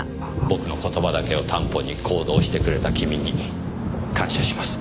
僕の言葉だけを担保に行動してくれた君に感謝します。